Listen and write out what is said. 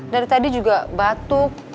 dari tadi juga batuk